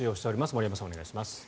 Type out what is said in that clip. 森山さん、お願いします。